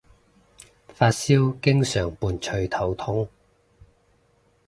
發燒經常伴隨頭痛